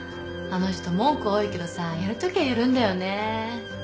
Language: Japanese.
あの人文句多いけどさやるときはやるんだよね。